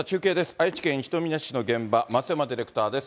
愛知県一宮市の現場、松山ディレクターです。